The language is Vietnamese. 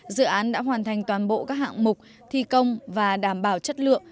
dự án đã hoàn thành toàn bộ các hạng mục thi công và đảm bảo chất lượng